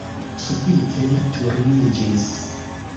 Subite li turniĝis.